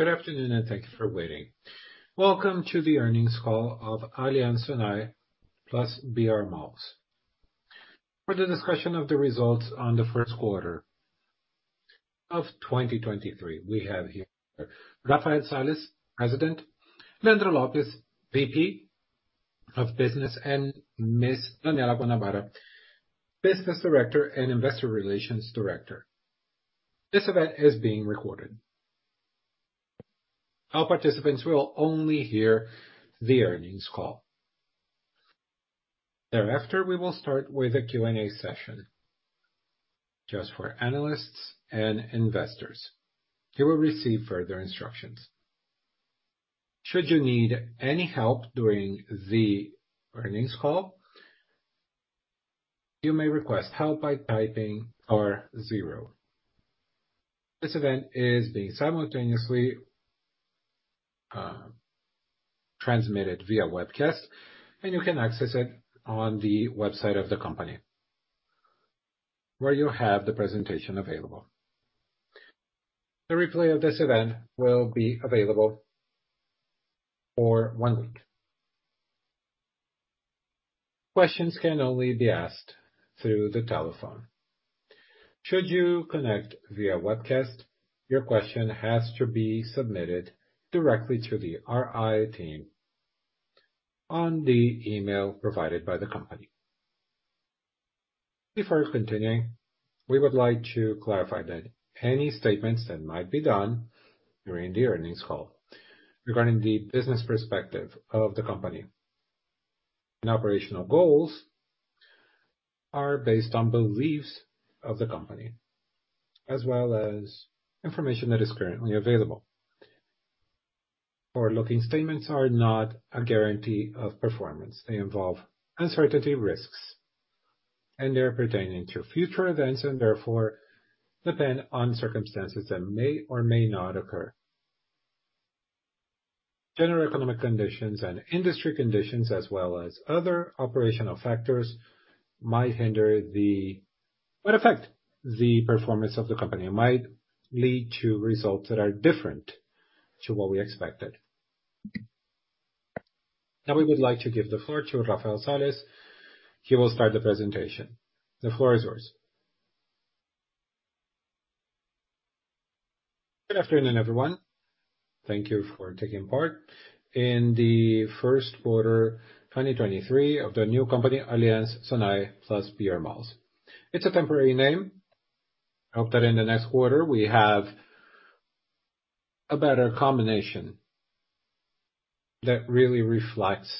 Good afternoon. Thank you for waiting. Welcome to the earnings call of Aliansce Sonae plus brMalls. For the discussion of the results on the first quarter of 2023, we have here Rafael Sales, President, Leandro Lopes, VP of Business, and Ms. Daniella Guanabara, Business Director and Investor Relations Director. This event is being recorded. All participants will only hear the earnings call. Thereafter, we will start with a Q&A session just for analysts and investors. You will receive further instructions. Should you need any help during the earnings call, you may request help by typing R0. This event is being simultaneously transmitted via webcast, and you can access it on the website of the company where you have the presentation available. The replay of this event will be available for one week. Questions can only be asked through the telephone. Should you connect via webcast, your question has to be submitted directly to the RI team on the email provided by the company. Before continuing, we would like to clarify that any statements that might be done during the earnings call regarding the business perspective of the company and operational goals are based on beliefs of the company, as well as information that is currently available. Forward-looking statements are not a guarantee of performance. They involve uncertainty, risks, and they're pertaining to future events and therefore depend on circumstances that may or may not occur. General economic conditions and industry conditions as well as other operational factors might affect the performance of the company and might lead to results that are different to what we expected. Now we would like to give the floor to Rafael Sales. He will start the presentation. The floor is yours. Good afternoon, everyone. Thank you for taking part in the first quarter, 2023 of the new company, Aliansce Sonae plus brMalls. It's a temporary name. I hope that in the next quarter we have a better combination that really reflects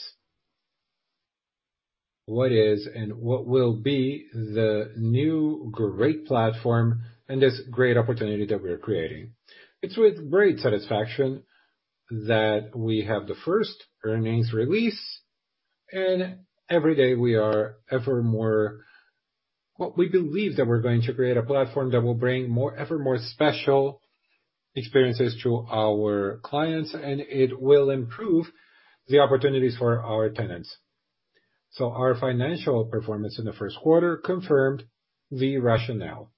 what is and what will be the new great platform and this great opportunity that we are creating. It's with great satisfaction that we have the first earnings release. Well, we believe that we're going to create a platform that will bring more, evermore special experiences to our clients, and it will improve the opportunities for our tenants. Our financial performance in the first quarter confirmed the rationale.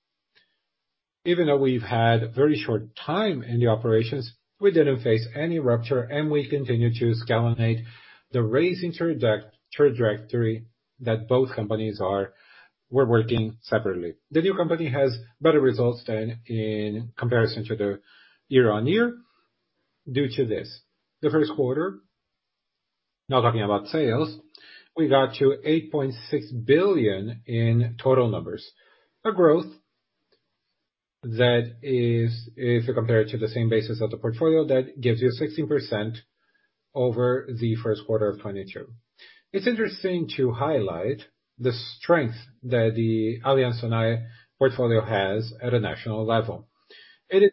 Even though we've had very short time in the operations, we didn't face any rupture and we continued to scalonate the raising trajectory that both companies were working separately. The new company has better results than in comparison to the year-on-year due to this. First quarter, now talking about sales, we got to 8.6 billion in total numbers. Growth that is, if you compare it to the same basis of the portfolio, that gives you 16% over the first quarter of 2022. It's interesting to highlight the strength that the Aliansce Sonae portfolio has at a national level. Is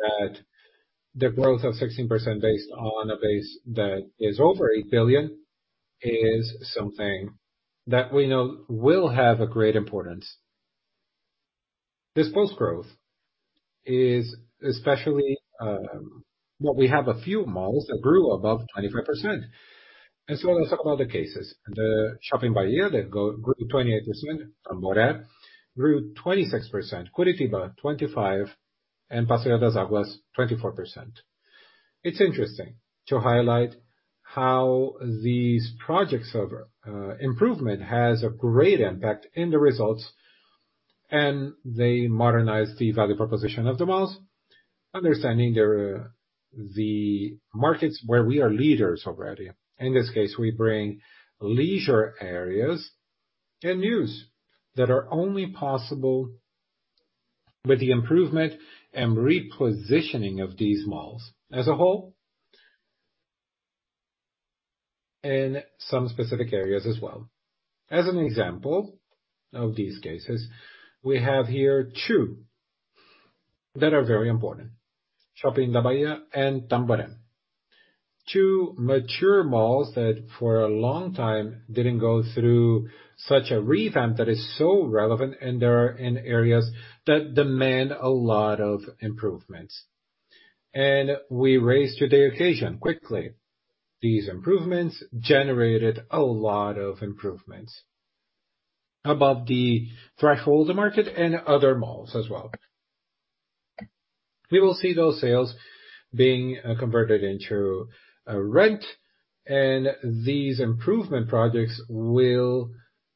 clear that the growth of 16% based on a base that is over 8 billion is something that we know will have a great importance. This post-growth is especially, well, we have a few malls that grew above 25% as well as some other cases. Shopping Bahia that grew 28%. Tamboré grew 26%. Curitiba, 25%, and Passeio das Águas, 24%. It's interesting to highlight how these projects of improvement has a great impact in the results and they modernize the value proposition of the malls, understanding they're the markets where we are leaders already. In this case, we bring leisure areas and news that are only possible with the improvement and repositioning of these malls as a whole and some specific areas as well. As an example of these cases, we have here two that are very important. Shopping da Bahia and Tamboré. Two mature malls that for a long time didn't go through such a revamp that is so relevant and they are in areas that demand a lot of improvements. We raised to the occasion quickly. These improvements generated a lot of improvements. Above the threshold market and other malls as well. We will see those sales being converted into rent. These improvement projects will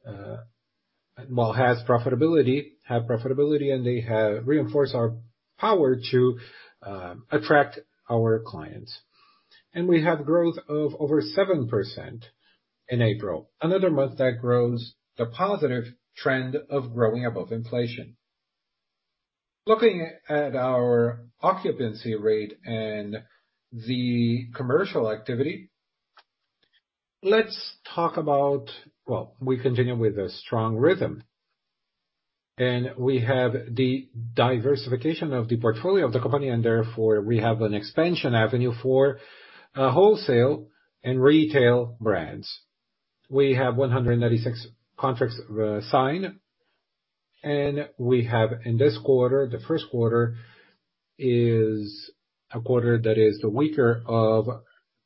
have profitability, and they have reinforced our power to attract our clients. We have growth of over 7% in April, another month that grows the positive trend of growing above inflation. Looking at our occupancy rate and the commercial activity, let's talk about... Well, we continue with a strong rhythm, and we have the diversification of the portfolio of the company, and therefore we have an expansion avenue for wholesale and retail brands. We have 196 contracts signed. We have in this quarter. The first quarter is a quarter that is the weaker of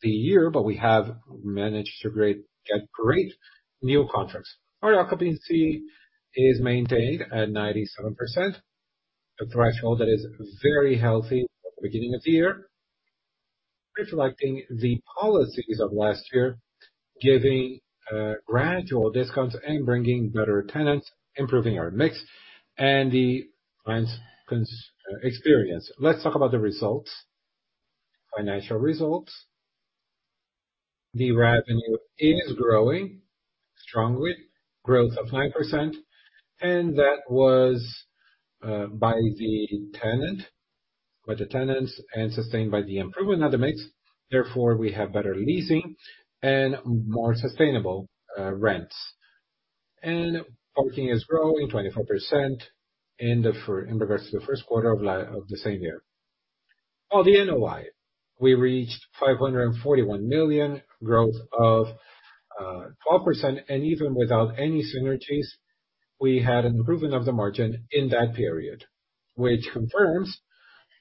the year, but we have managed to get great new contracts. Our occupancy is maintained at 97%, a threshold that is very healthy at the beginning of the year, reflecting the policies of last year, giving gradual discounts and bringing better tenants, improving our mix and the client's experience. Let's talk about the results. Financial results. The revenue is growing strongly, growth of 9%, and that was by the tenants, and sustained by the improvement of the mix. Therefore, we have better leasing and more sustainable rents. Parking is growing 24% in regards to the first quarter of the same year. On the NOI, we reached 541 million, growth of 12%, and even without any synergies, we had an improvement of the margin in that period, which confirms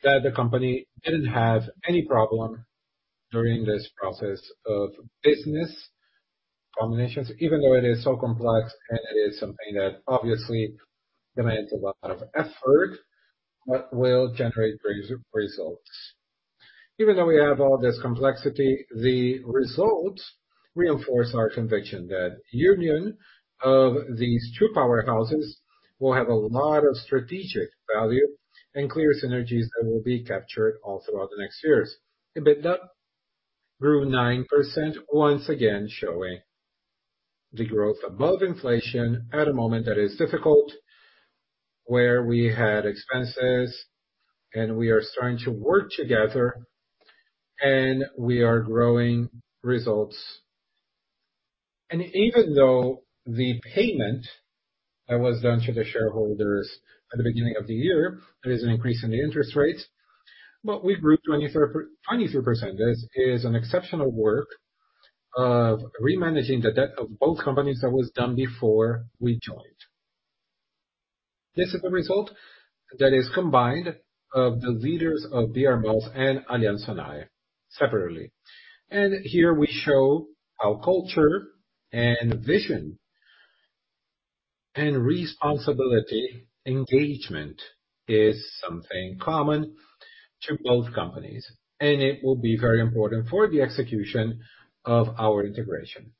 that the company didn't have any problem during this process of business combinations, even though it is so complex and it is something that obviously demands a lot of effort, but will generate results. Even though we have all this complexity, the results reinforce our conviction that union of these two powerhouses will have a lot of strategic value and clear synergies that will be captured all throughout the next years. EBITDA grew 9%, once again showing the growth above inflation at a moment that is difficult, where we had expenses, and we are starting to work together, and we are growing results. Even though the payment that was done to the shareholders at the beginning of the year, there is an increase in the interest rates, we grew 23%. This is an exceptional work of re-managing the debt of both companies that was done before we joined. This is the result that is combined of the leaders of brMalls and Aliansce Sonae separately. Here we show our culture and vision and responsibility. Engagement is something common to both companies, and it will be very important for the execution of our integration.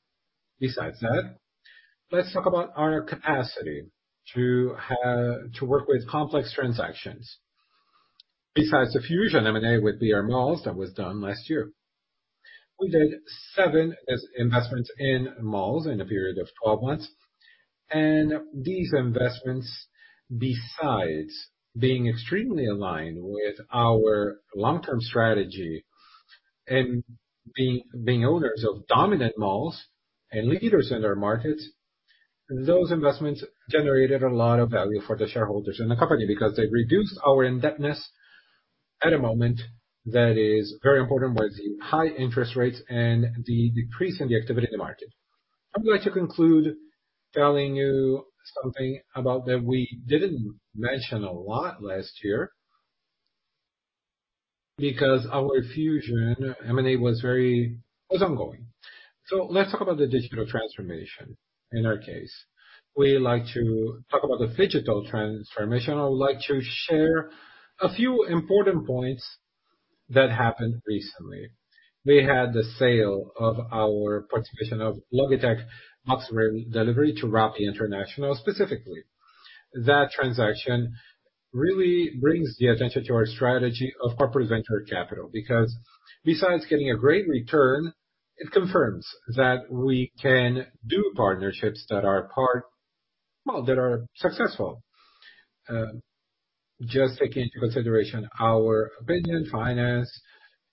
Besides that, let's talk about our capacity to work with complex transactions. Besides the fusion M&A with brMalls that was done last year, we did seven investments in malls in a period of 12 months. These investments, besides being extremely aligned with our long-term strategy and being owners of dominant malls and leaders in our markets, those investments generated a lot of value for the shareholders and the company because they reduced our indebtedness at a moment that is very important, with the high interest rates and the decrease in the activity in the market. I'm going to conclude telling you something about that we didn't mention a lot last year because our fusion M&A was ongoing. Let's talk about the digital transformation in our case. We like to talk about the phygital transformation. I would like to share a few important points that happened recently. We had the sale of our participation of LogiTech Box Delivery to Rappi International. Specifically, that transaction really brings the attention to our strategy of corporate venture capital, because besides getting a great return, it confirms that we can do partnerships that are successful. Just taking into consideration our opinion, finance,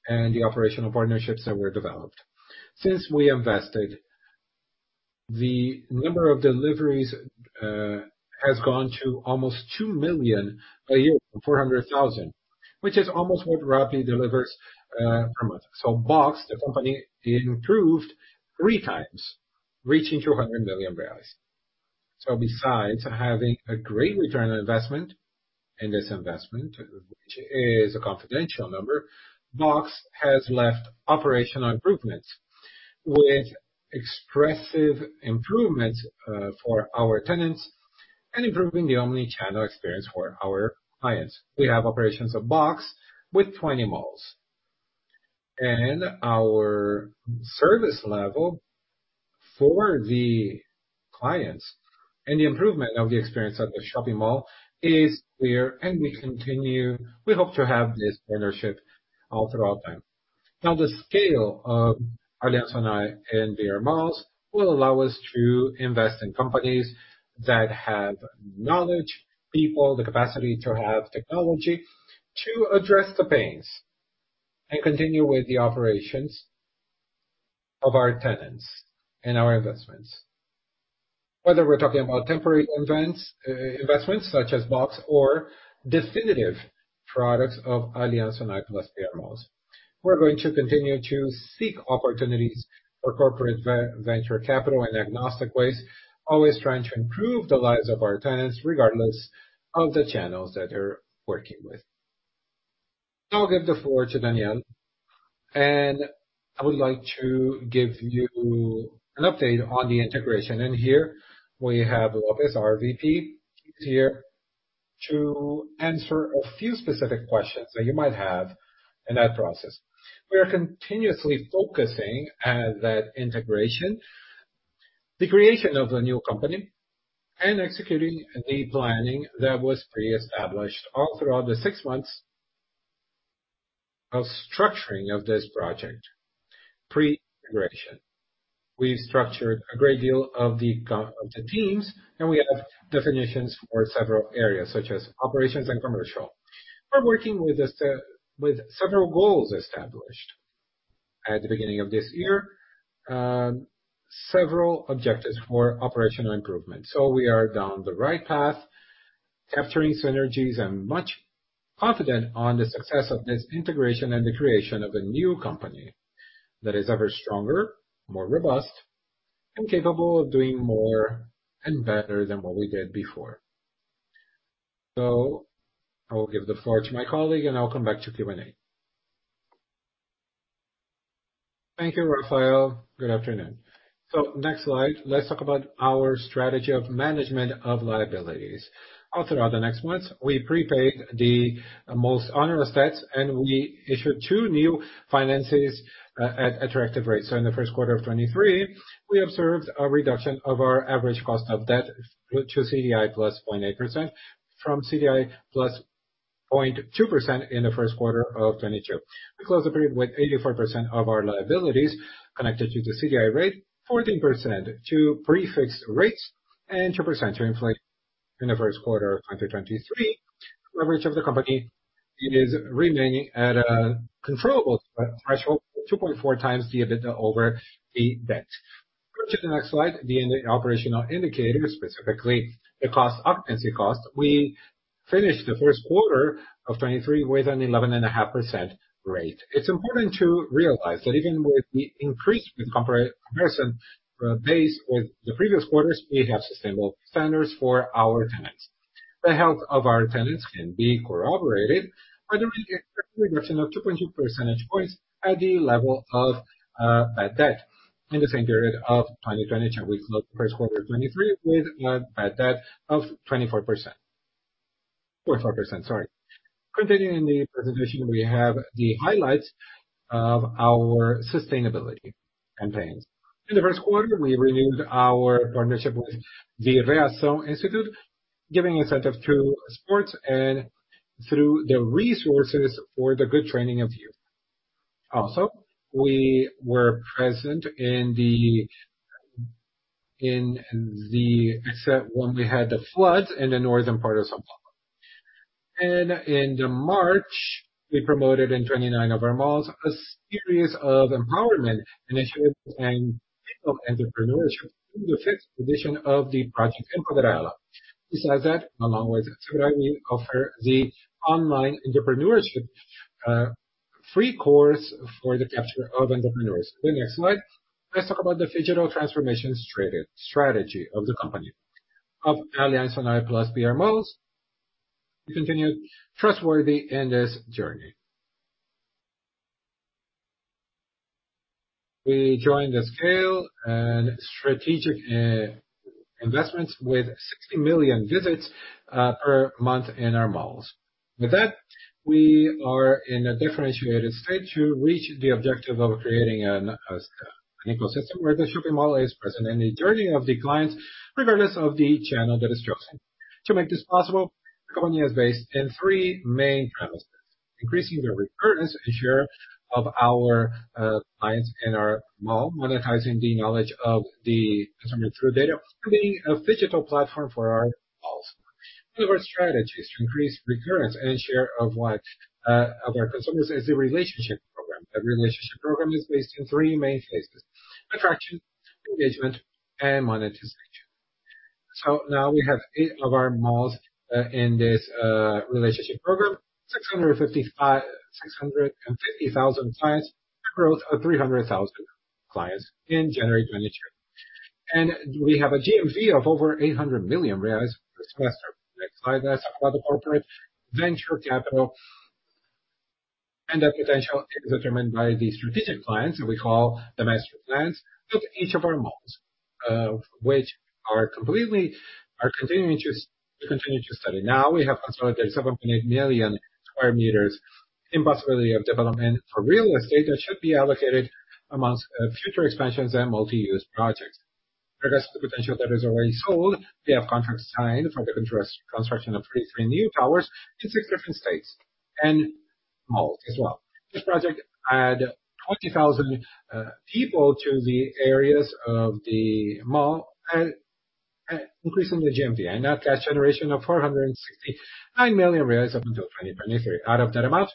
and the operational partnerships that were developed. Since we invested, the number of deliveries has gone to almost 2 million a year from 400,000, which is almost what Rappi delivers per month. Box, the company, it improved 3x, reaching 200 million reais. Besides having a great return on investment in this investment, which is a confidential number, Box has left operational improvements with expressive improvement for our tenants and improving the omnichannel experience for our clients. We have operations of Box with 20 malls. Our service level for the clients and the improvement of the experience at the shopping mall is clear. We hope to have this partnership all throughout time. The scale of Aliansce Sonae and brMalls will allow us to invest in companies that have knowledge, people, the capacity to have technology to address the pains and continue with the operations of our tenants and our investments. Whether we're talking about temporary investments such as Box or definitive products of Aliansce Sonae plus brMalls. We're going to continue to seek opportunities for corporate venture capital in agnostic ways, always trying to improve the lives of our tenants, regardless of the channels that they're working with. I'll give the floor to Daniella. I would like to give you an update on the integration. Here we have Lopes, our VP. He's here to answer a few specific questions that you might have in that process. We are continuously focusing at that integration, the creation of the new company, and executing the planning that was pre-established all throughout the six months of structuring of this project pre-integration. We've structured a great deal of the teams, and we have definitions for several areas such as operations and commercial. We're working with several goals established at the beginning of this year, several objectives for operational improvement. We are down the right path, capturing synergies and much confident on the success of this integration and the creation of a new company that is ever stronger, more robust, and capable of doing more and better than what we did before. I will give the floor to my colleague and I'll come back to Q&A. Thank you, Rafael. Good afternoon. Next slide. Let's talk about our strategy of management of liabilities. All throughout the next months, we prepaid the most onerous debts, and we issued two new finances at attractive rates. In the first quarter of 2023, we observed a reduction of our average cost of debt to CDI + 0.8% from CDI + 0.2% in the first quarter of 2022. We closed the period with 84% of our liabilities connected to the CDI rate, 14% to pre-fixed rates, and 2% to inflate. In the first quarter of 2023, leverage of the company is remaining at a controllable threshold 2.4x the EBITDA over the debt. Go to the next slide. The operational indicators, specifically the occupancy cost. We finished the first quarter of 2023 with an 11.5% rate. It's important to realize that even with the increased comparison base with the previous quarters, we have sustainable standards for our tenants. The health of our tenants can be corroborated by the reduction of 2.2 percentage points at the level of bad debt. In the same period of 2022, we closed the first quarter of 2023 with a bad debt of 24%. 0.4%, sorry. Continuing the presentation, we have the highlights of our sustainability campaigns. In the first quarter, we renewed our partnership with the Reação Institute, giving incentive through sports and through the resources for the good training of youth. Also, we were present in the except when we had the floods in the northern part of São Paulo. In March, we promoted in 29 of our malls a series of empowerment initiatives and female entrepreneurship, the fifth edition of the project EmpoderaEla. Besides that, along with [Segura], we offer the online entrepreneurship free course for the capture of entrepreneurs. The next slide. Let's talk about the digital transformation strategy of the company. Of Aliansce Sonae plus brMalls, we continue trustworthy in this journey. We join the scale and strategic investments with 60 million visits per month in our malls. With that, we are in a differentiated state to reach the objective of creating an ecosystem where the shopping mall is present in the journey of the clients, regardless of the channel that is chosen. To make this possible, the company is based in three main premises: increasing the recurrence and share of our clients in our mall, monetizing the knowledge of the customer through data, becoming a digital platform for our malls. One of our strategies to increase recurrence and share of what of our consumers is the relationship program. The relationship program is based in three main phases: attraction, engagement, and monetization. Now we have eight of our malls in this relationship program, 650,000 clients, growth of 300,000 clients in January 2023. We have a GMV of over 800 million reais this quarter. Next slide. Let's talk about the corporate venture capital. That potential is determined by the strategic clients that we call the master plans to each of our malls, which are continuing to study. Now, we have consolidated 7,800,000 sq m million square meters in possibility of development for real estate that should be allocated amongst future expansions and multi-use projects. Progress of the potential that is already sold, we have contracts signed for the construction of three new towers in six different states and malls as well. This project add 20,000 people to the areas of the mall and increasing the GMV. A net cash generation of 469 million reais up until 2023. Out of that amount,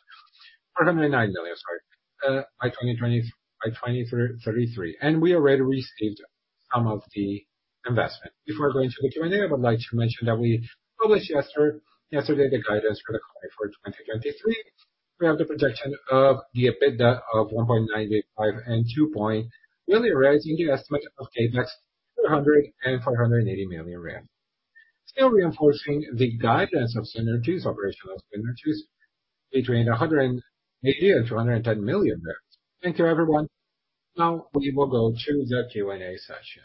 409 million, sorry, by 2033. We already received some of the investment. Before going to the Q&A, I would like to mention that we published yesterday the guidance for the quarter for 2023. We have the projection of the EBITDA of 1.985 million and 2 billion in the estimate of CapEx, BRL 480 million. Still reinforcing the guidance of synergies, operational synergies between 180 million and 110 million. Thank you everyone. We will go to the Q&A session.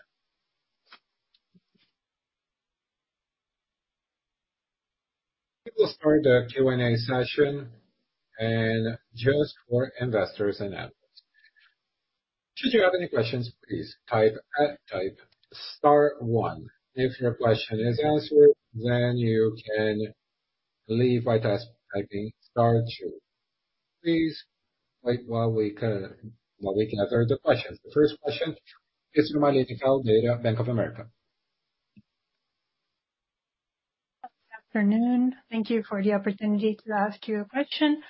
We will start the Q&A session, just for investors and analysts. Should you have any questions, please type star one. If your question is answered, you can leave by just typing star two. Please wait while we can answer the questions. The first question is from Aline Caldeira, Bank of America. Good afternoon. Thank you for the opportunity to ask you a question.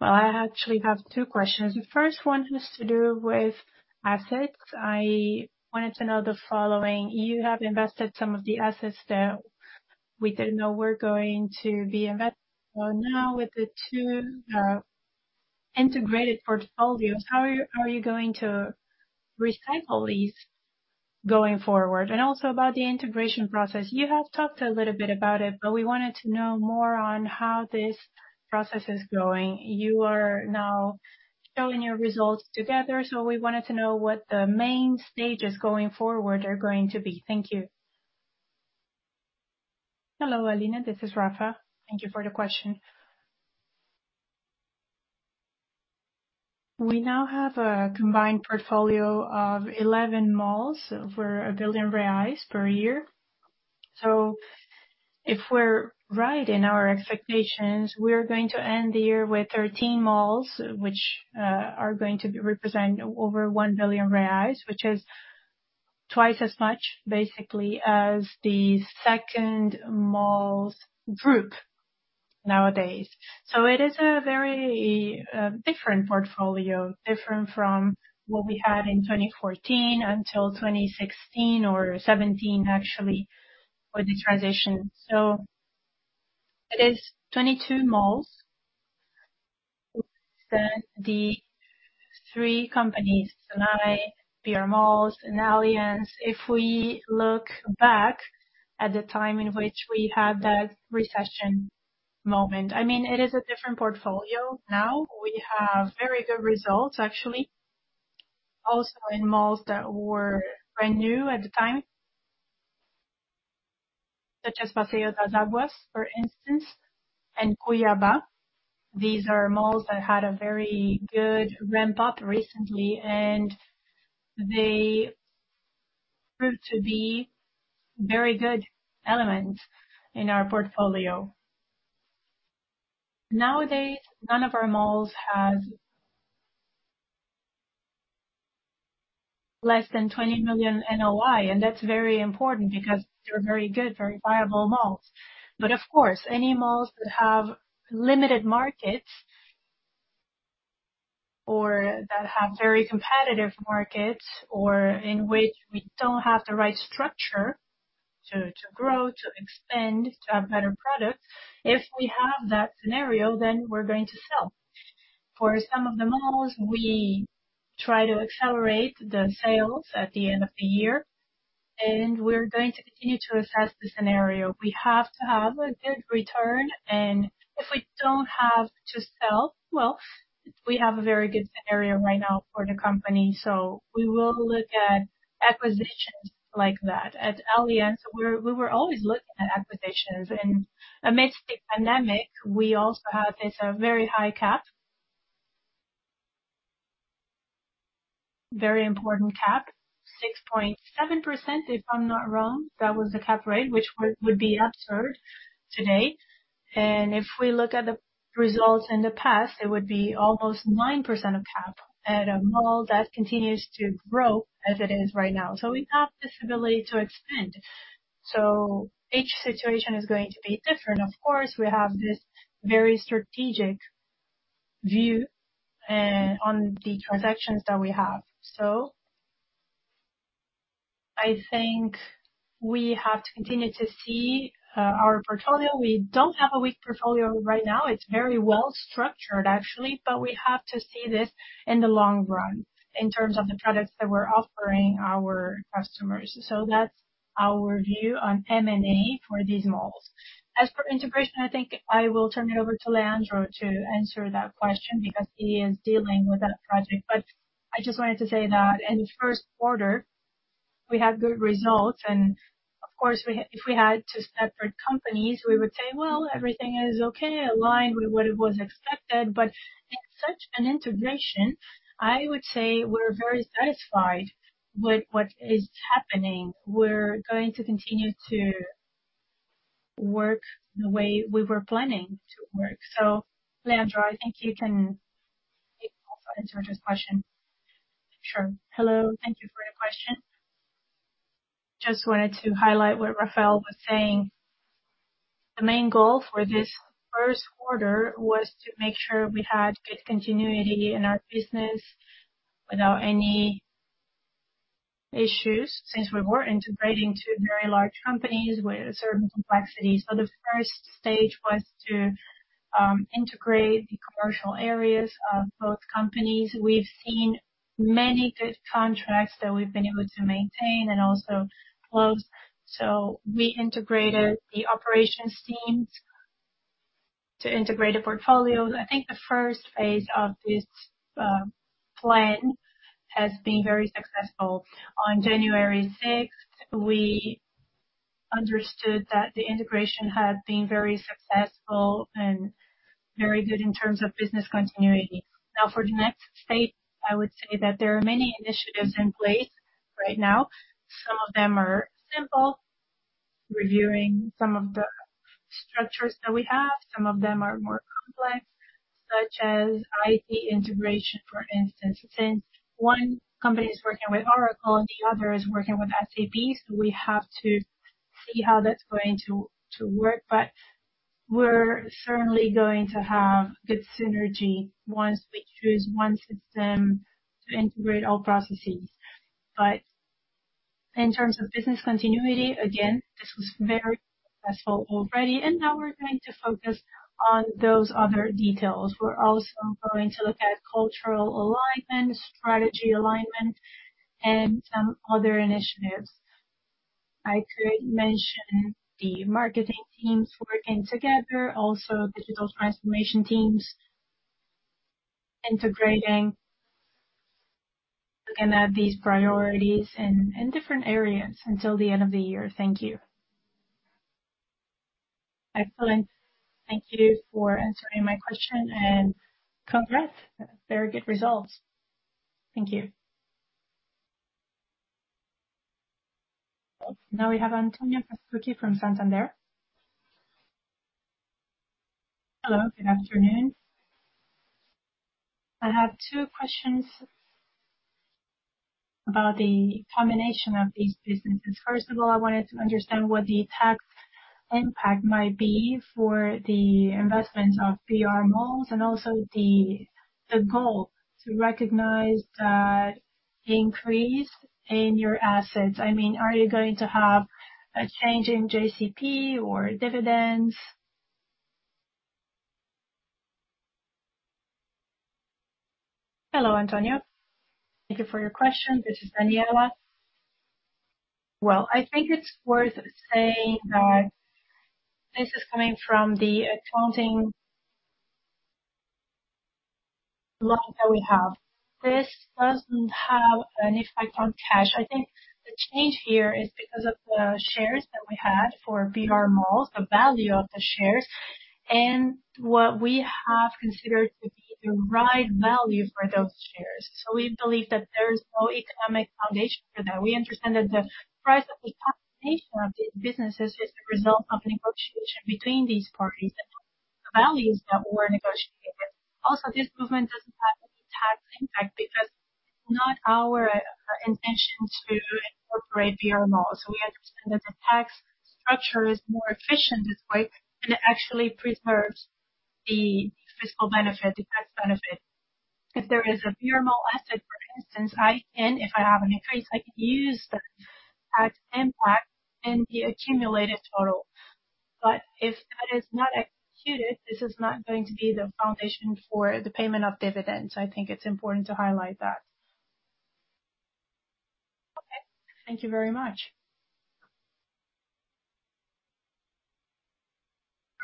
Well, I actually have two questions. The first one has to do with assets. I wanted to know the following. You have invested some of the assets that we didn't know were going to be invested. So now with the two integrated portfolios, how are you going to recycle these going forward? Also about the integration process. You have talked a little bit about it, but we wanted to know more on how this process is going. You are now showing your results together, so we wanted to know what the main stages going forward are going to be. Thank you. Hello, Aline, this is Rafa. Thank you for the question. We now have a combined portfolio of 11 malls over 1 billion reais per year. If we're right in our expectations, we're going to end the year with 13 malls, which are going to be representing over 1 billion reais. Which is twice as much basically as the second malls group nowadays. It is a very different portfolio, different from what we had in 2014 until 2016 or 2017 actually, with the transition. It is 22 malls within the three companies, Sonae, brMalls and Aliansce. If we look back at the time in which we had that recession moment, I mean, it is a different portfolio now. We have very good results actually. Also in malls that were brand new at the time, such as Passeio das Águas, for instance, and Cuiabá. These are malls that had a very good ramp-up recently, and they proved to be very good elements in our portfolio. Nowadays, none of our malls has less than 20 million NOI, and that's very important because they're very good, very viable malls. Of course, any malls that have limited markets or that have very competitive markets or in which we don't have the right structure to grow, to expand, to have better products. If we have that scenario, we're going to sell. For some of the malls, we try to accelerate the sales at the end of the year, and we're going to continue to assess the scenario. We have to have a good return. If we don't have to sell, well, we have a very good scenario right now for the company. We will look at acquisitions like that. At Aliansce, we were always looking at acquisitions. Amidst the pandemic, we also have this very high cap, very important cap, 6.7%, if I'm not wrong. That was the cap rate which would be absurd today. If we look at the results in the past, it would be almost 9% of cap at a mall that continues to grow as it is right now. We have this ability to expand. Each situation is going to be different. Of course, we have this very strategic view on the transactions that we have. I think we have to continue to see our portfolio. We don't have a weak portfolio right now. It's very well structured actually. We have to see this in the long run in terms of the products that we're offering our customers. That's our view on M&A for these malls. As for integration, I think I will turn it over to Leandro to answer that question because he is dealing with that project. I just wanted to say that in the first quarter, we had good results. Of course, if we had two separate companies, we would say, "Well, everything is okay, aligned with what it was expected." In such an integration, I would say we're very satisfied with what is happening. We're going to continue to work the way we were planning to work. Leandro, I think you can answer this question. Sure. Hello. Thank you for the question. Just wanted to highlight what Rafael was saying. The main goal for this first quarter was to make sure we had good continuity in our business without any issues, since we were integrating two very large companies with certain complexities. The first stage was to integrate the commercial areas of both companies. We've seen many good contracts that we've been able to maintain and also close. We integrated the operations teams to integrate the portfolios. I think the first phase of this plan has been very successful. On January sixth, we understood that the integration had been very successful and very good in terms of business continuity. For the next phase, I would say that there are many initiatives in place right now. Some of them are simple, reviewing some of the structures that we have. Some of them are more complex, such as IT integration, for instance. One company is working with Oracle and the other is working with SAP, we have to see how that's going to work. We're certainly going to have good synergy once we choose one system to integrate all processes. In terms of business continuity, again, this was very successful already. Now we're going to focus on those other details. We're also going to look at cultural alignment, strategy alignment, and some other initiatives. I could mention the marketing teams working together, also digital transformation teams integrating. Looking at these priorities in different areas until the end of the year. Thank you. Excellent. Thank you for answering my question. Congrats. Very good results. Thank you. Now we have Antonio Castrucci from Santander. Hello, good afternoon. I have two questions about the combination of these businesses. First of all, I wanted to understand what the tax impact might be for the investment of brMalls and also the goal to recognize that increase in your assets. I mean, are you going to have a change in JCP or dividends? Hello, Antonio. Thank you for your question. This is Daniella. Well, I think it's worth saying that this is coming from the accounting log that we have. This doesn't have an effect on cash. I think the change here is because of the shares that we had for brMalls, the value of the shares, and what we have considered to be the right value for those shares. We believe that there is no economic foundation for that. We understand that the price of the combination of these businesses is the result of a negotiation between these parties and the values that were negotiated. This movement doesn't have any tax impact because it's not our intention to incorporate brMalls. We understand that the tax structure is more efficient this way, and it actually preserves the fiscal benefit, the tax benefit. If there is a brMalls asset, for instance, I can, if I have an increase, I can use the tax impact in the accumulated total. If that is not executed, this is not going to be the foundation for the payment of dividends. I think it's important to highlight that. Okay. Thank you very much.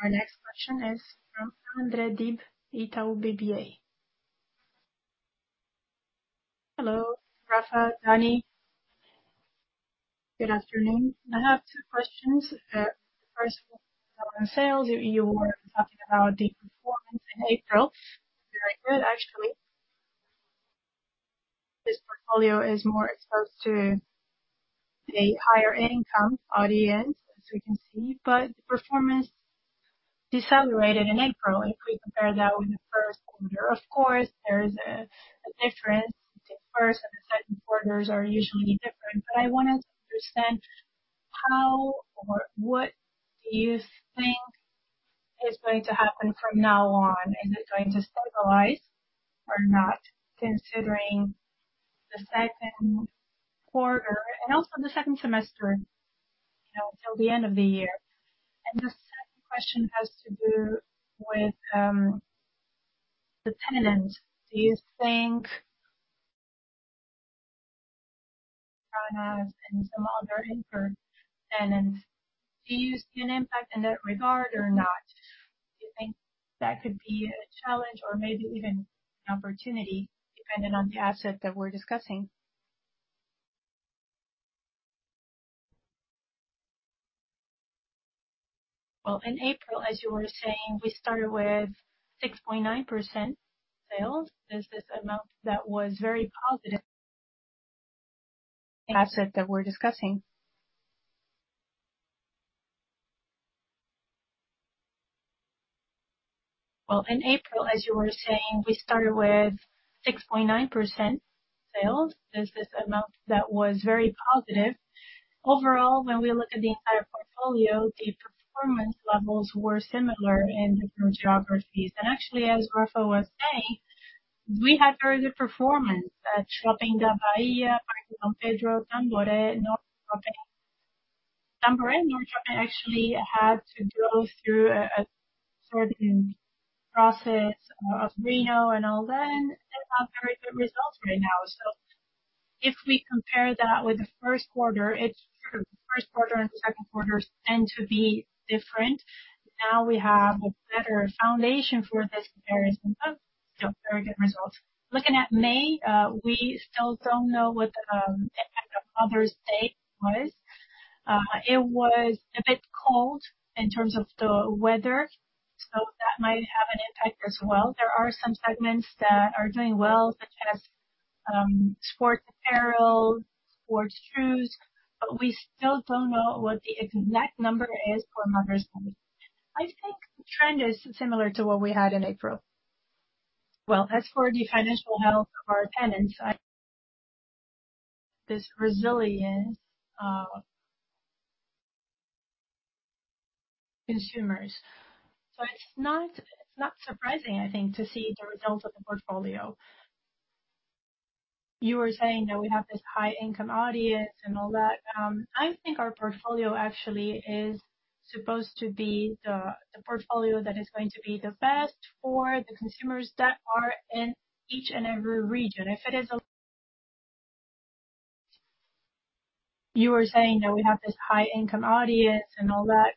Our next question is from André Dibe, Itaú BBA. Hello, Rafa, Dani. Good afternoon. I have two questions. First of all, on sales, you were talking about the performance in April. Very good, actually. This portfolio is more exposed to a higher income audience, as we can see. The performance decelerated in April if we compare that with the first quarter. Of course, there is a difference. The first and the second quarters are usually different. I wanted to understand how or what do you think is going to happen from now on. Is it going to stabilize or not, considering the second quarter and also the second semester, you know, till the end of the year? The second question has to do with the tenants. Do you think and some other info tenants. Do you see an impact in that regard or not? Do you think that could be a challenge or maybe even an opportunity depending on the asset that we're discussing? Well, in April, as you were saying, we started with 6.9% sales. There's this amount that was very positive. The asset that we're discussing. Well, in April, as you were saying, we started with 6.9% sales. There's this amount that was very positive. Overall, when we look at the entire portfolio, the performance levels were similar in different geographies. Actually, as Rafael was saying, we had very good performance at Shopping da Bahia, Parque Dom Pedro, Tamboré, NorteShopping. Tamboré, NorteShopping actually had to go through a certain process of reno and all that. They have very good results right now. If we compare that with the first quarter, it's sort of the first quarter and second quarter tend to be different. Now we have a better foundation for this comparison. Very good results. Looking at May, we still don't know what the effect of Mother's Day was. It was a bit cold in terms of the weather, so that might have an impact as well. There are some segments that are doing well, such as sports apparel, sports shoes, but we still don't know what the exact number is for Mother's Day. I think the trend is similar to what we had in April. Well, as for the financial health of our tenants, I this resilience, consumers. It's not surprising, I think, to see the results of the portfolio. You were saying that we have this high-income audience and all that. I think our portfolio actually is supposed to be the portfolio that is going to be the best for the consumers that are in each and every region. If it is a. You were saying that we have this high-income audience and all that.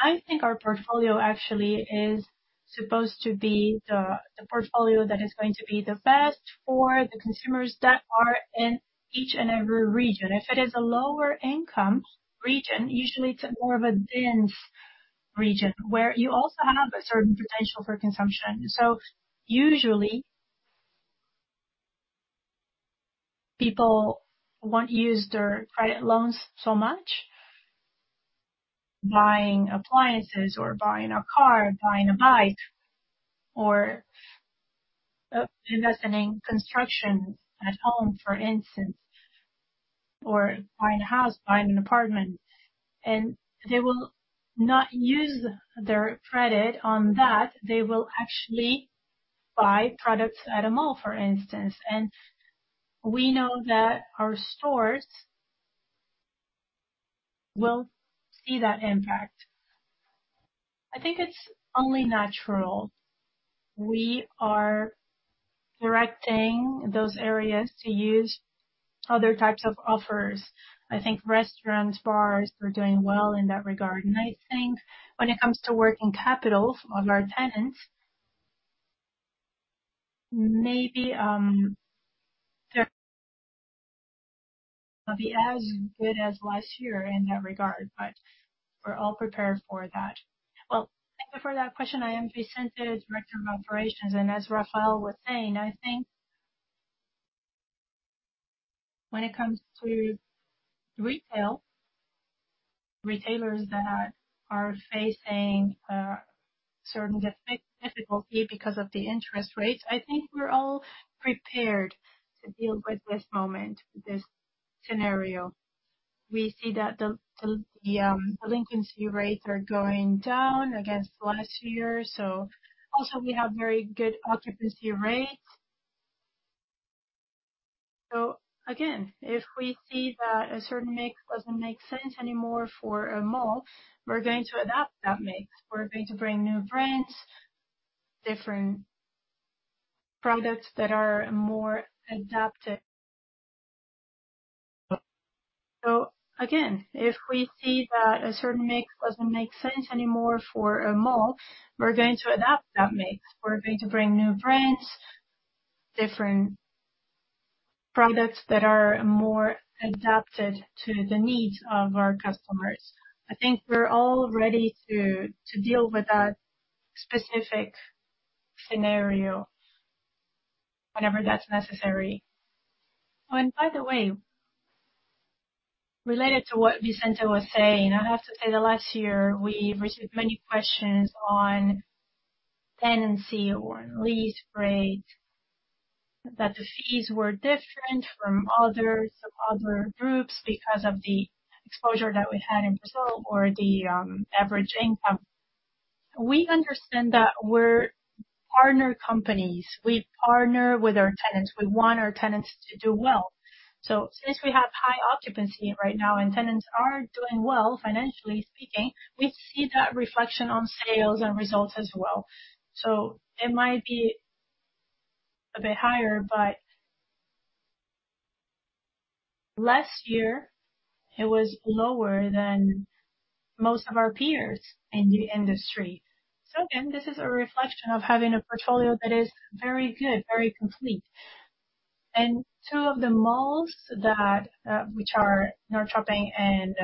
I think our portfolio actually is supposed to be the portfolio that is going to be the best for the consumers that are in each and every region. If it is a lower income region, usually it's more of a dense region where you also have a certain potential for consumption. Usually people won't use their credit loans so much, buying appliances or buying a car, buying a bike or, investing in construction at home, for instance, or buying a house, buying an apartment, and they will not use their credit on that. They will actually buy products at a mall, for instance. We know that our stores will see that impact. I think it's only natural. We are directing those areas to use other types of offers. I think restaurants, bars are doing well in that regard. I think when it comes to working capital of our tenants, maybe, be as good as last year in that regard, but we're all prepared for that. Well, thank you for that question. I am Vicente, Director of Operations, as Rafael was saying, I think when it comes to retail, retailers that are facing a certain difficulty because of the interest rates, I think we're all prepared to deal with this moment, this scenario. We see that the delinquency rates are going down against last year. Also we have very good occupancy rates. Again, if we see that a certain mix doesn't make sense anymore for a mall, we're going to adapt that mix. We're going to bring new brands, different products that are more adapted. Again, if we see that a certain mix doesn't make sense anymore for a mall, we're going to adapt that mix. We're going to bring new brands, different products that are more adapted to the needs of our customers. I think we're all ready to deal with that specific scenario whenever that's necessary. By the way, related to what Vicente was saying, I have to say that last year we received many questions on tenancy or on lease rates. That the fees were different from others, other groups because of the exposure that we had in Brazil or the average income. We understand that we're partner companies. We partner with our tenants. We want our tenants to do well. Since we have high occupancy right now and tenants are doing well financially speaking, we see that reflection on sales and results as well. It might be a bit higher, but... last year it was lower than most of our peers in the industry. This is a reflection of having a portfolio that is very good, very complete. Two of the malls that, which are NorteShopping and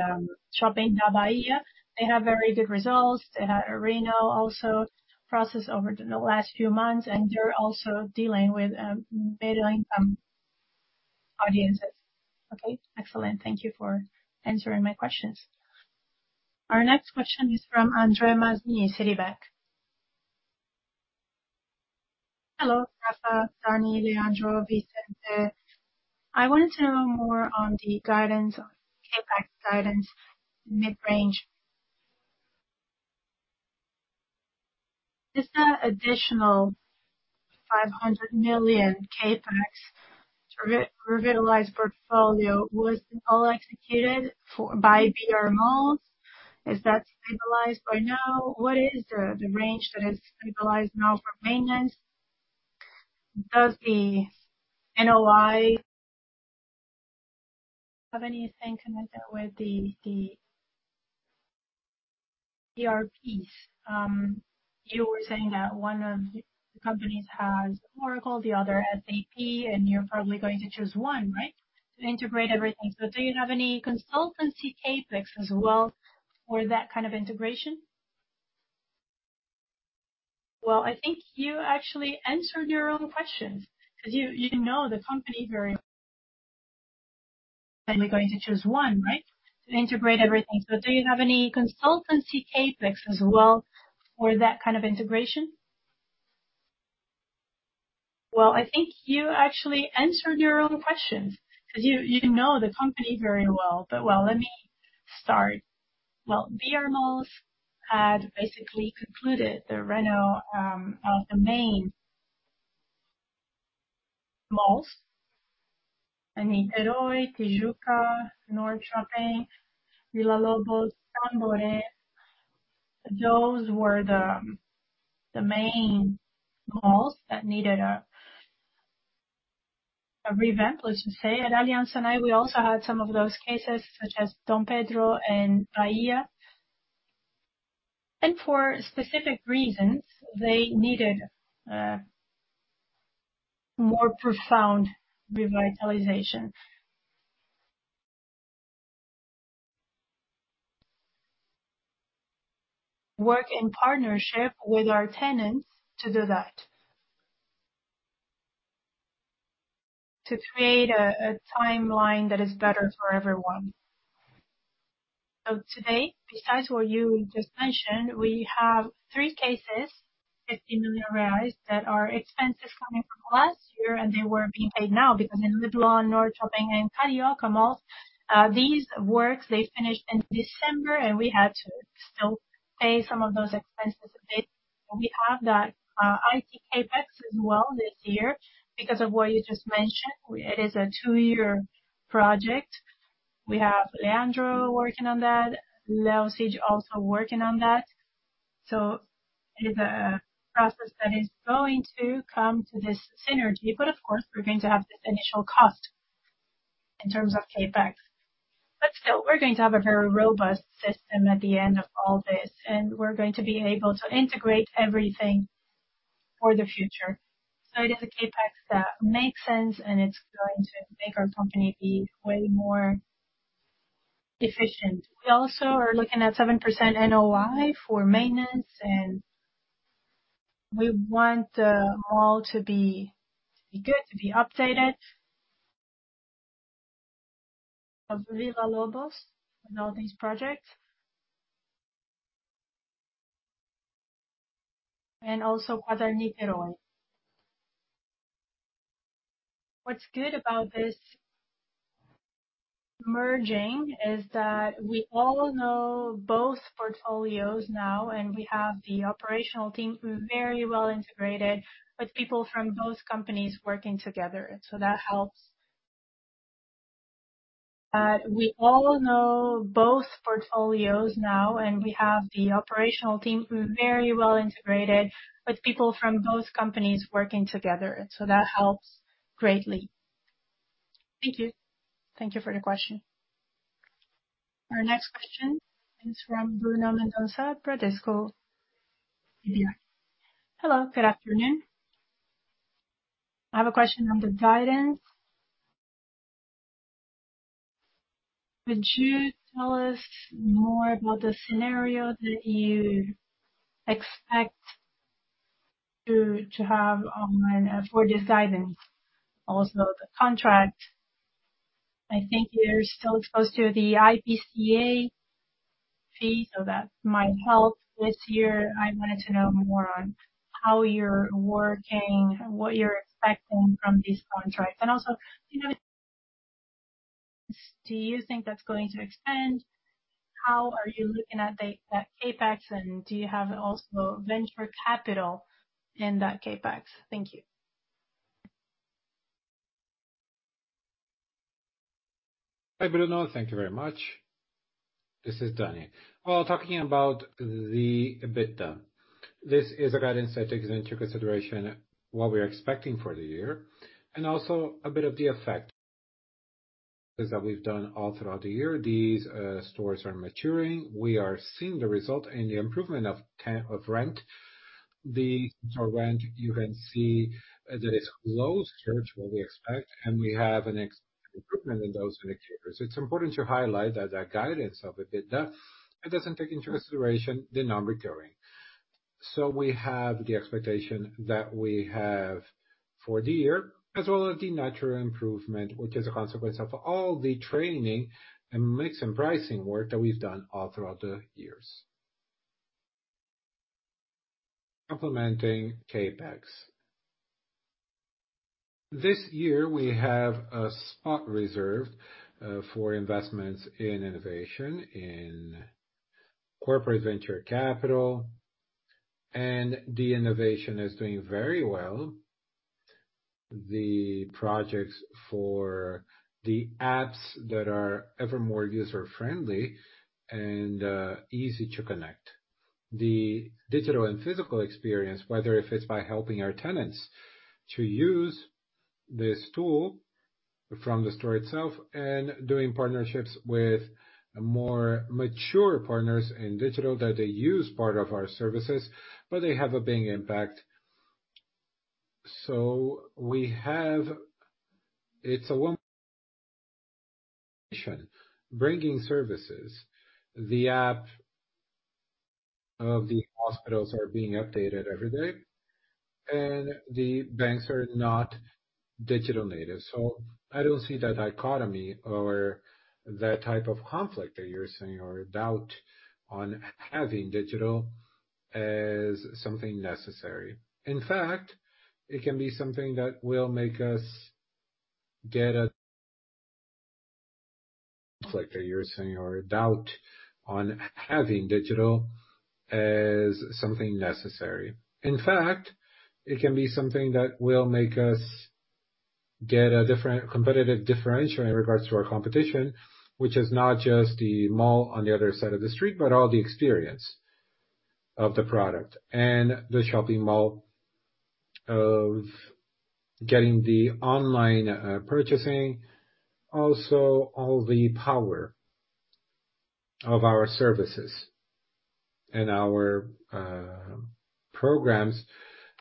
Shopping da Bahia, they have very good results. They had a reno also process over the last few months, and they're also dealing with middle income audiences. Okay. Excellent. Thank you for answering my questions. Our next question is from André Mazzini, Citibank. Hello, Rafa, Dani, Leandro, Vicente. I want to know more on the guidance on CapEx guidance mid-range. Is the additional BRL 500 million CapEx re-revitalize portfolio was all executed by brMalls? Is that stabilized by now? What is the range that is stabilized now for maintenance? Does the NOI have anything to do with the ERPs? You were saying that one of the companies has Oracle, the other SAP, and you're probably going to choose one, right, to integrate everything. Do you have any consultancy CapEx as well for that kind of integration? I think you actually answered your own question 'cause you know the company very well. Well, I think you actually answered your own question 'cause you know the company very well. Well, let me start. Well, brMalls had basically concluded the reno of the main malls. I mean, Niterói, Tijuca, NorteShopping, Villa Lobos, Tamboré. Those were the main malls that needed a revamp, let's just say. At Aliansce Sonae, we also had some of those cases, such as Dom Pedro and Bahia. For specific reasons, they needed more profound revitalization. Work in partnership with our tenants to do that. To create a timeline that is better for everyone. Today, besides what you just mentioned, we have three cases, 50 million reais, that are expenses coming from last year, and they were being paid now because in NorteShopping and Carioca malls, these works, they finished in December, and we had to still pay some of those expenses a bit. We have that IT CapEx as well this year because of what you just mentioned. It is a two-year project. We have Leandro working on that, Leo Cid also working on that. It is a process that is going to come to this synergy. Of course, we're going to have this initial cost in terms of CapEx. Still, we're going to have a very robust system at the end of all this, and we're going to be able to integrate everything for the future. It is a CapEx that makes sense, and it's going to make our company be way more efficient. We also are looking at 7% NOI for maintenance, and we want the mall to be good, to be updated. Of Villa Lobos and all these projects, also Plaza Niterói. What's good about this merging is that we all know both portfolios now, and we have the operational team very well integrated with people from both companies working together. That helps greatly. Thank you. Thank you for the question. Our next question is from Bruno Mendonça, Bradesco BBI. Hello. Good afternoon. I have a question on the guidance. Could you tell us more about the scenario that you expect to have on for this guidance? Also the contract. I think you're still exposed to the IPCA fee, so that might help this year. I wanted to know more on how you're working, what you're expecting from these contracts, and also, you know, do you think that's going to expand? How are you looking at that CapEx, and do you have also venture capital in that CapEx? Thank you. Hi, Bruno. Thank you very much. This is Dani. Well, talking about the EBITDA, this is a guidance that takes into consideration what we are expecting for the year and also a bit of the effect is that we've done all throughout the year. These stores are maturing. We are seeing the result and the improvement of rent. The rent you can see that is close to what we expect, and we have an improvement in those indicators. It's important to highlight that guidance of EBITDA, it doesn't take into consideration the non-recurring. We have the expectation that we have for the year as well as the natural improvement, which is a consequence of all the training and mix and pricing work that we've done all throughout the years. Complementing CapEx. This year we have a spot reserved for investments in innovation, in corporate venture capital. The innovation is doing very well. The projects for the apps that are ever more user-friendly and easy to connect. The digital and physical experience, whether if it's by helping our tenants to use this tool from the store itself, doing partnerships with more mature partners in digital that they use part of our services, they have a big impact. It's a one bringing services. The app of the hospitals are being updated every day. The banks are not digital native. I don't see that dichotomy or that type of conflict that you're saying or doubt on having digital as something necessary. In fact, it can be something that will make us get. Conflict that you're saying or doubt on having digital as something necessary. In fact, it can be something that will make us get a different competitive differential in regards to our competition, which is not just the mall on the other side of the street, but all the experience of the product and the shopping mall of getting the online purchasing. Also all the power of our services and our programs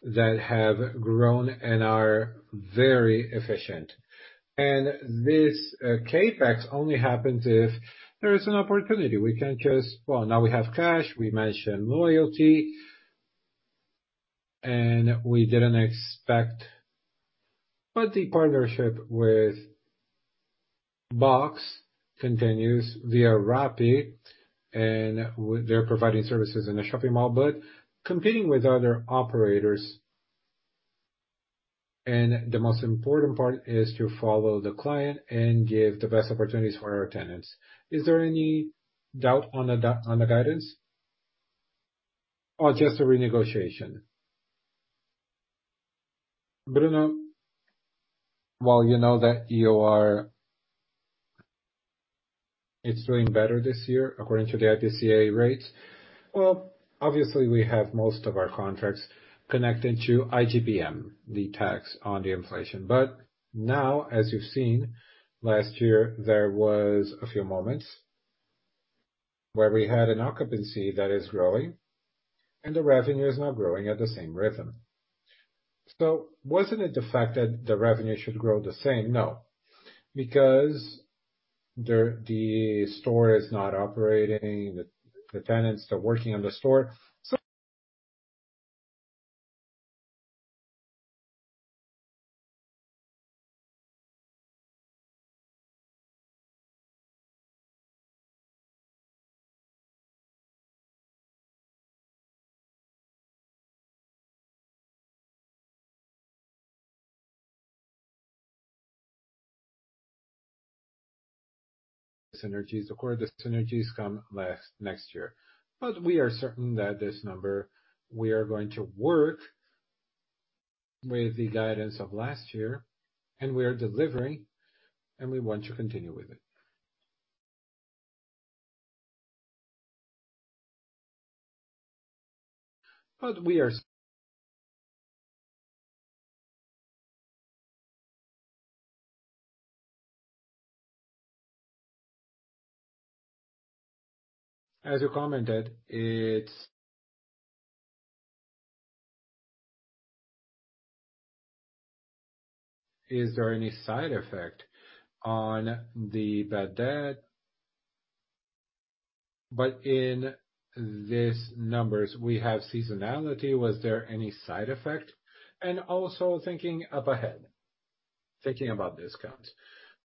that have grown and are very efficient. This CapEx only happens if there is an opportunity. We can't just. Well, now we have cash, we mentioned loyalty. We didn't expect. The partnership with Box continues via Rappi and they're providing services in the shopping mall, but competing with other operators. The most important part is to follow the client and give the best opportunities for our tenants. Is there any doubt on the guidance? Oh, just the renegotiation. Bruno, well, you know that you are... It's doing better this year according to the IPCA rates. Well, obviously we have most of our contracts connecting to IGPM, the tax on the inflation. Now, as you've seen, last year, there was a few moments where we had an occupancy that is growing and the revenue is now growing at the same rhythm. Wasn't it the fact that the revenue should grow the same? No. Because the store is not operating, the tenants are working on the store. Synergies. Of course, the synergies come last next year. We are certain that this number we are going to work with the guidance of last year, and we are delivering, and we want to continue with it. We are... As you commented. Is there any side effect on the bad debt? In these numbers, we have seasonality. Was there any side effect? Also thinking up ahead, thinking about discounts.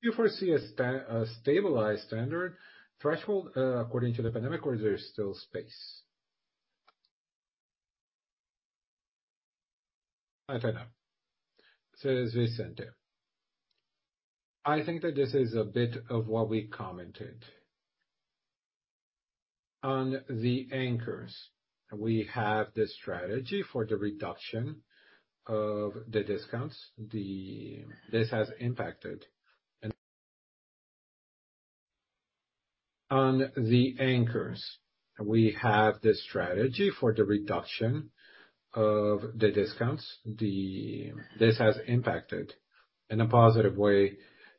Do you foresee a stabilized standard threshold, according to the pandemic, or is there still space? I don't know. Is this center. I think that this is a bit of what we commented. On the anchors, we have the strategy for the reduction of the discounts. This has impacted in a positive way,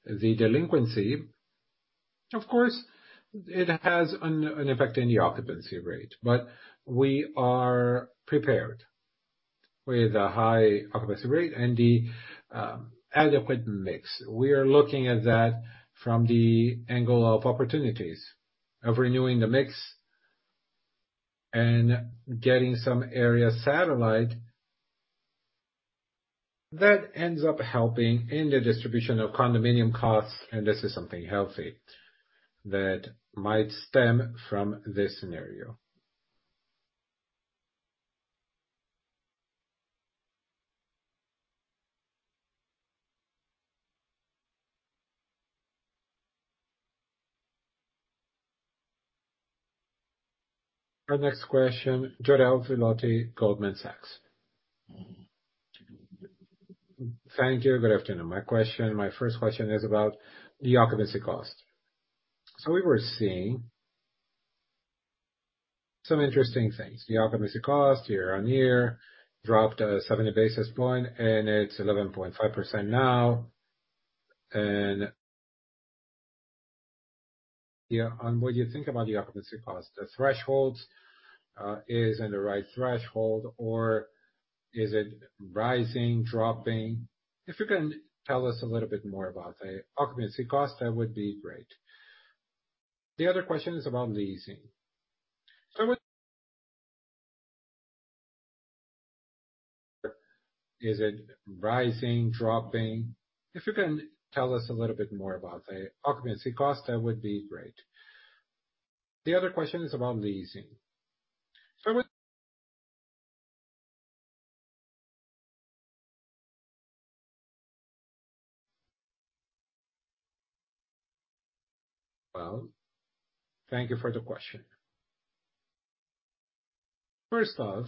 the delinquency. Of course, it has an effect in the occupancy rate, but we are prepared with a high occupancy rate and the adequate mix. We are looking at that from the angle of opportunities of renewing the mix and getting some area satellite that ends up helping in the distribution of condominium costs, and this is something healthy that might stem from this scenario. Our next question, Jorel Guilloty, Goldman Sachs. Thank you. Good afternoon. My question, my first question is about the occupancy cost. We were seeing some interesting things. The occupancy cost year-over-year dropped 70 basis points and it's 11.5% now. Yeah, on what you think about the occupancy cost, the thresholds, is in the right threshold or is it rising, dropping? If you can tell us a little bit more about the occupancy cost, that would be great. The other question is about leasing. Is it rising, dropping? If you can tell us a little bit more about the occupancy cost, that would be great. The other question is about leasing. Well, thank you for the question. First off,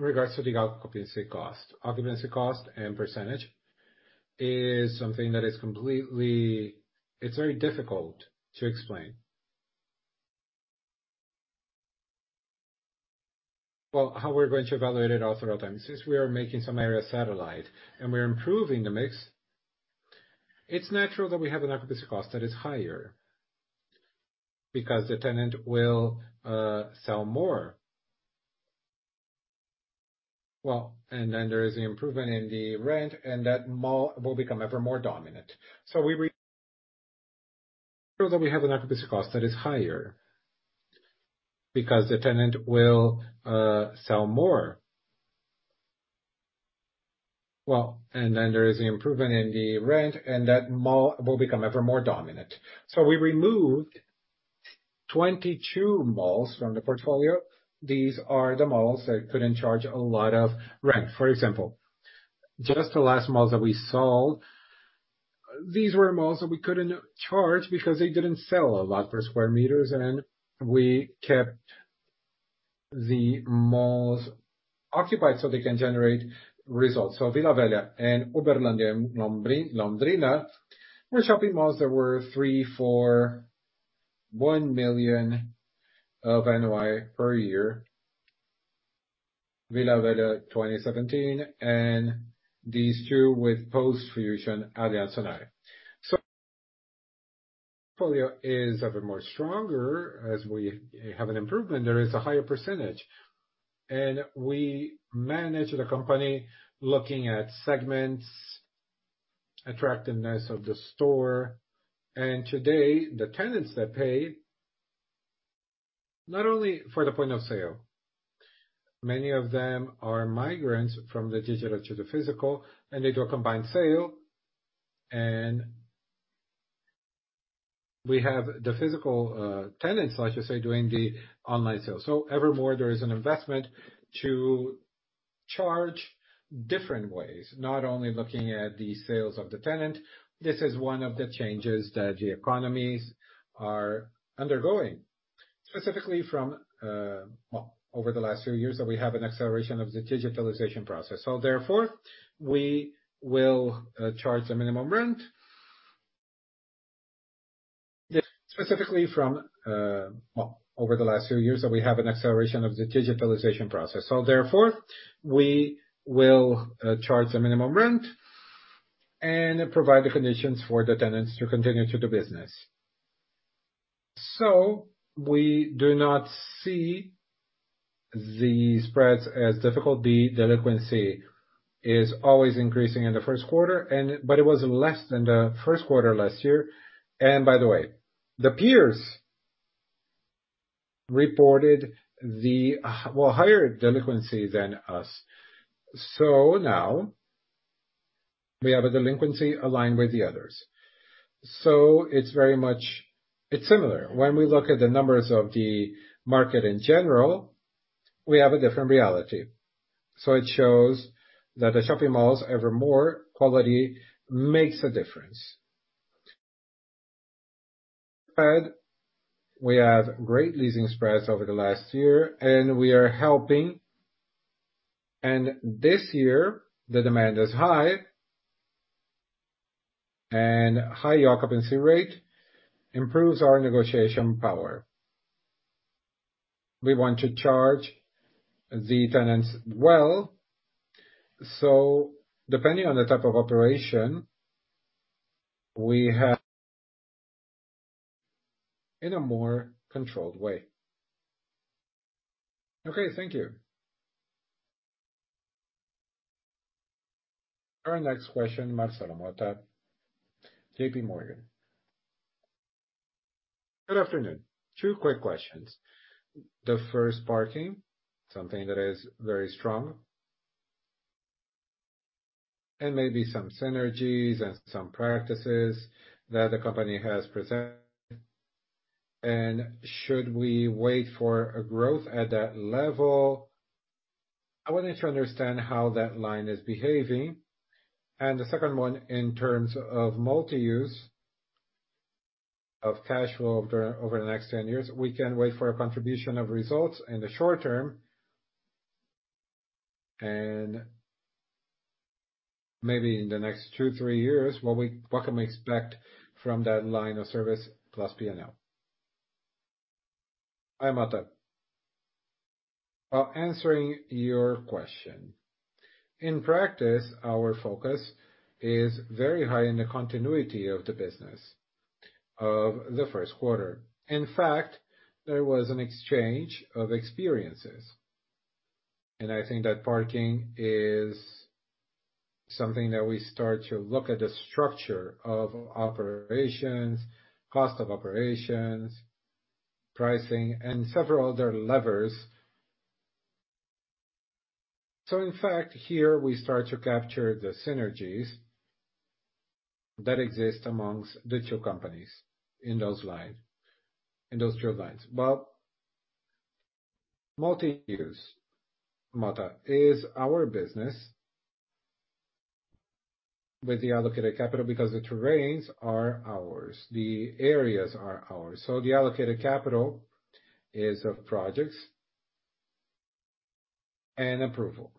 in regards to the occupancy cost. Occupancy cost and percentage is something that is completely. It's very difficult to explain. Well, how we're going to evaluate it all through our times. Since we are making some area satellite and we're improving the mix, it's natural that we have an occupancy cost that is higher because the tenant will sell more. Well, and then there is the improvement in the rent, and that mall will become ever more dominant. We removed 22 malls from the portfolio. These are the malls that couldn't charge a lot of rent. For example, just the last malls that we sold, these were malls that we couldn't charge because they didn't sell a lot per square meters, and we kept the malls occupied so they can generate results. Vila Velha and Uberlandia, Londrina, were shopping malls that were 3 million, 4 million, 1 million of NOI per year. Villa Velha, 2017, and these two with post-fusion Aliansce Sonae. Portfolio is ever more stronger. As we have an improvement, there is a higher percentage. We manage the company looking at segments, attractiveness of the store. Today, the tenants that pay, not only for the point of sale, many of them are migrants from the digital to the physical, and they do a combined sale. We have the physical tenants, like you say, doing the online sale. Ever more, there is an investment to charge different ways, not only looking at the sales of the tenant. This is one of the changes that the economies are undergoing. Specifically from, over the last few years, that we have an acceleration of the digitalization process. Therefore, we will charge the minimum rent. Specifically from, over the last few years, that we have an acceleration of the digitalization process. Therefore, we will charge the minimum rent and provide the conditions for the tenants to continue to do business. We do not see the spreads as difficult, the delinquency is always increasing in the first quarter, it was less than the first quarter last year. By the way, the peers reported, well, higher delinquency than us. Now we have a delinquency aligned with the others. It's very much, it's similar. When we look at the numbers of the market in general, we have a different reality. It shows that the shopping malls ever more quality makes a difference. We have great leasing spreads over the last year and we are helping. This year, the demand is high. High occupancy rate improves our negotiation power. We want to charge the tenants well. Depending on the type of operation we have in a more controlled way. Okay, thank you. Our next question, Marcelo Motta, JPMorgan. Good afternoon. Two quick questions. The first, parking, something that is very strong and maybe some synergies and some practices that the company has presented. Should we wait for a growth at that level? I wanted to understand how that line is behaving. The second one, in terms of multi-use of cash flow over the next 10 years, we can wait for a contribution of results in the short term. Maybe in the next two, three years, what can we expect from that line of service plus P&L? Hi, Motta. Answering your question. In practice, our focus is very high in the continuity of the business of the first quarter. In fact, there was an exchange of experiences, and I think that parking is something that we start to look at the structure of operations, cost of operations, pricing and several other levers. In fact, here we start to capture the synergies that exist amongst the two companies in those two lines. Multi-use, Motta, is our business with the allocated capital because the terrains are ours, the areas are ours. The allocated capital is of projects and approval.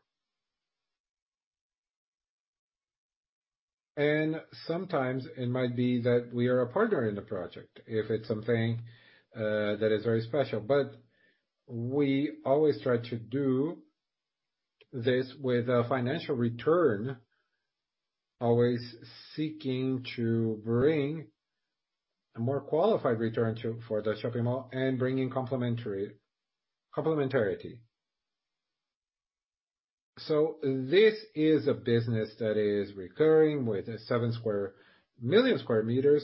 Sometimes it might be that we are a partner in the project if it's something that is very special. We always try to do this with a financial return. Always seeking to bring a more qualified return for the shopping mall and bringing complementarity. This is a business that is recurring with 7,000,000 sq m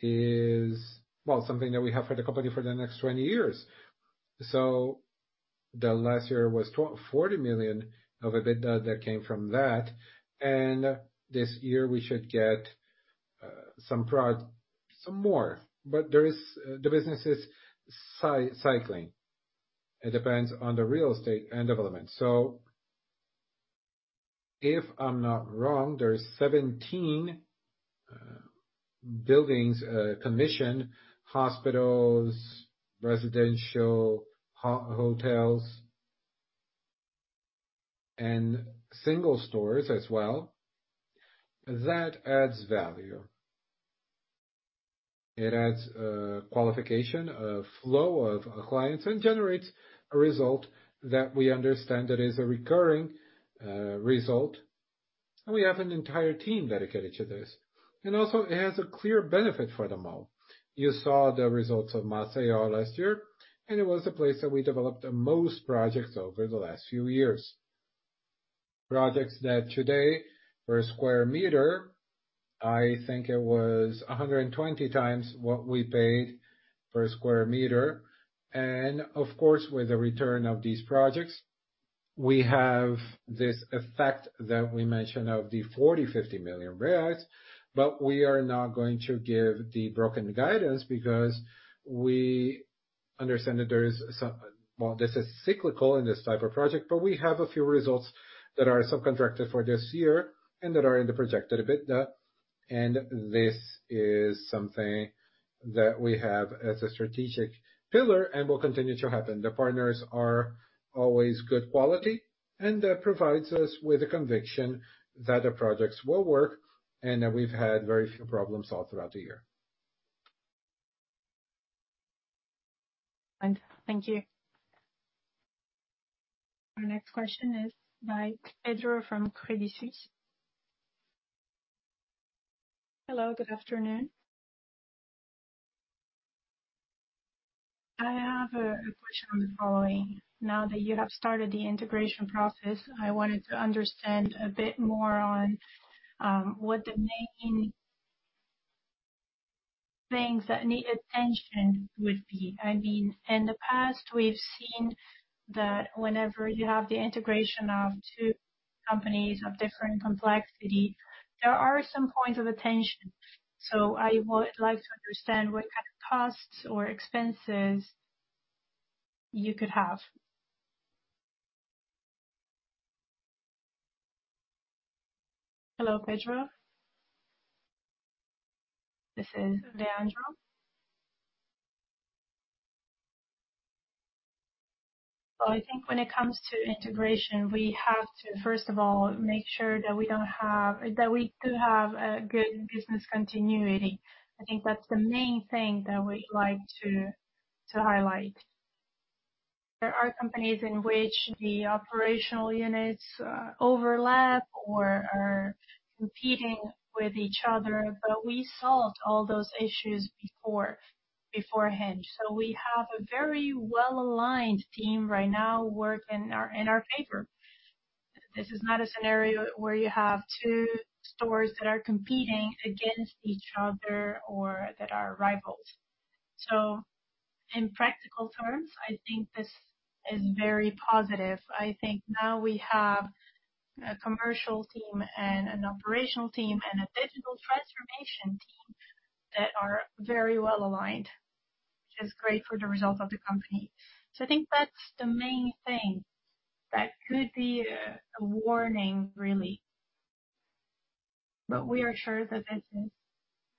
is well, something that we have for the company for the next 20 years. The last year was 40 million of EBITDA that came from that. This year we should get some more. The business is cycling. It depends on the real estate and development. If I'm not wrong, there's 17 buildings commissioned, hospitals, residential, hotels and single stores as well. That adds value. It adds qualification, a flow of clients and generates a result that we understand that is a recurring result. We have an entire team dedicated to this. Also it has a clear benefit for the mall. You saw the results of Maceió last year, and it was the place that we developed the most projects over the last few years. Projects that today per square meter, I think it was 120x what we paid per square meter. Of course, with the return of these projects, we have this effect that we mentioned of the 40 million-50 million. We are not going to give the broken guidance because we understand that there is well, this is cyclical in this type of project, but we have a few results that are subcontracted for this year and that are in the projected EBITDA. This is something that we have as a strategic pillar and will continue to happen. The partners are always good quality, and that provides us with a conviction that the projects will work. We've had very few problems all throughout the year. Thank you. Our next question is by Pedro from Credit Suisse. Hello, good afternoon. I have a question on the following. Now that you have started the integration process, I wanted to understand a bit more on what the main things that need attention would be. I mean, in the past, we've seen that whenever you have the integration of two companies of different complexity, there are some points of attention. I would like to understand what kind of costs or expenses you could have. Hello, Pedro. This is Leandro. Well, I think when it comes to integration, we have to first of all make sure that we do have a good business continuity. I think that's the main thing that we'd like to highlight. There are companies in which the operational units overlap or are competing with each other. We solved all those issues beforehand. We have a very well-aligned team right now work in our favor. This is not a scenario where you have two stores that are competing against each other or that are rivals. In practical terms, I think this is very positive. I think now we have a commercial team and an operational team and a digital transformation team that are very well-aligned, which is great for the results of the company. I think that's the main thing that could be a warning, really. We are sure that this is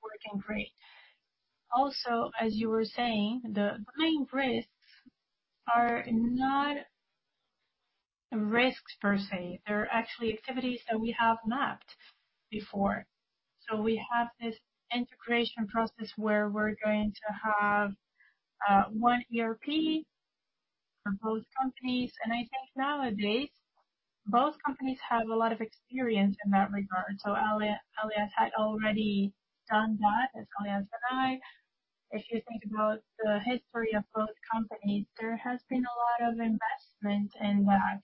working great. As you were saying, the main risks are not risks per se. They're actually activities that we have mapped before. We have this integration process where we're going to have one ERP for both companies. I think nowadays, both companies have a lot of experience in that regard. Aliansce had already done that as Aliansce and Sonae. If you think about the history of both companies, there has been a lot of investment in that.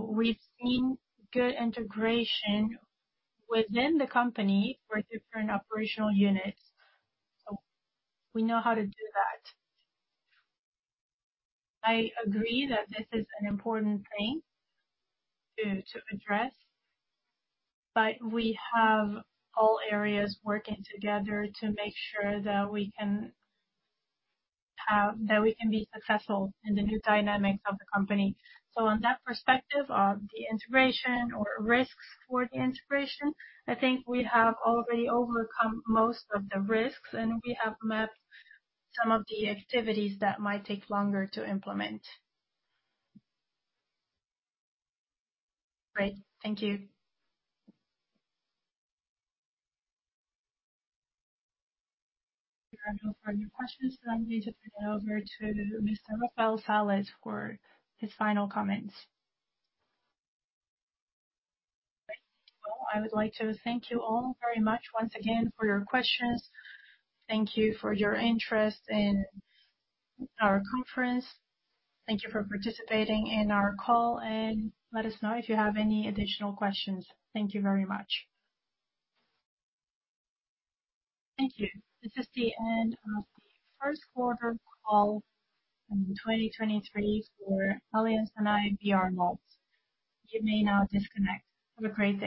We've seen good integration within the company for different operational units. We know how to do that. I agree that this is an important thing to address, but we have all areas working together to make sure that we can that we can be successful in the new dynamics of the company. On that perspective of the integration or risks for the integration, I think we have already overcome most of the risks, and we have mapped some of the activities that might take longer to implement. Great. Thank you. If there are no further questions, I'm going to turn it over to Mr. Rafael Sales for his final comments. Great. I would like to thank you all very much once again for your questions. Thank you for your interest in our conference. Thank you for participating in our call, and let us know if you have any additional questions. Thank you very much. Thank you. This is the end of the first quarter call in 2023 for Aliansce Sonae, brMalls. You may now disconnect. Have a great day.